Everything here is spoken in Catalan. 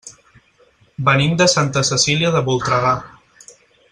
Venim de Santa Cecília de Voltregà.